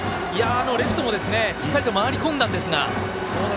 レフトもしっかり回り込んだんですが。